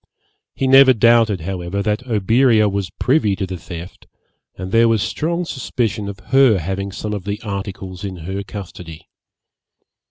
He never doubted, however, that Oberea was privy to the theft, and there was strong suspicion of her having some of the articles in her custody.